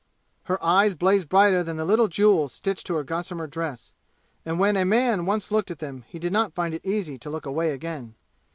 Her eyes blazed brighter than the little jewels stitched to her gossamer dress, and when a man once looked at them he did not find it easy to look away again.